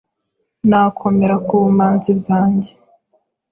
nakomera ku bumanzi bwanjye